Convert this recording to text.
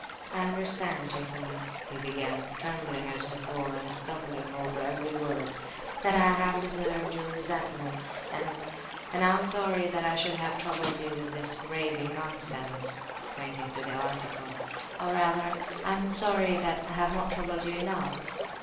"I understand, gentlemen," he began, trembling as before, and stumbling over every word, "that I have deserved your resentment, and—and am sorry that I should have troubled you with this raving nonsense" (pointing to his article), "or rather, I am sorry that I have not troubled you enough."